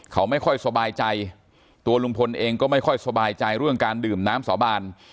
เขาไม่ค่อยสบายใจตัวลุงพลเองก็ไม่ค่อยสบายใจเรื่องการดื่มน้ำสาบาน